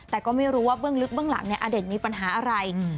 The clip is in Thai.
แต่ก็ไม่รู้ว่าเบื้องลึกเบื้องหลังเนี่ยอเด่นมีปัญหาอะไร